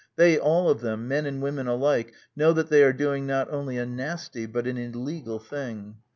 ... They all of them — men and women alike — know that they are doing not only a nasty but an illegal thing.